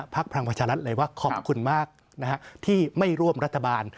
ภักดิ์พลังวัชรัฐเลยว่าขอบคุณมากที่ไม่ร่วมรัฐบาล